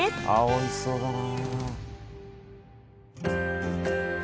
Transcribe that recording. おいしそうだな。